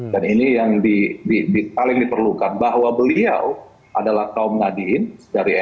dan ini yang paling diperlukan bahwa beliau adalah kaum ngadiin dari nu